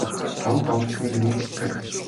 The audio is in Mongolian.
Хамаг гомдол минь үүнд л байна.